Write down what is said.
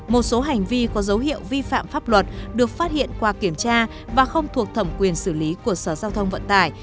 một số hành vi có dấu hiệu vi phạm pháp luật được phát hiện qua kiểm tra và không thuộc thẩm quyền xử lý của sở giao thông vận tải